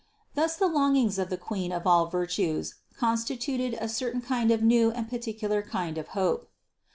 Thus the longings of the Queen of all virtues constituted a certain kind of new and particular kind of hope.